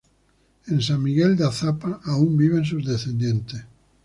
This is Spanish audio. En San Miguel de Azapa, aún viven sus descendientes.